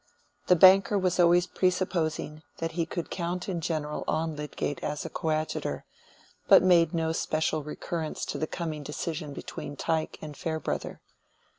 The banker was always presupposing that he could count in general on Lydgate as a coadjutor, but made no special recurrence to the coming decision between Tyke and Farebrother.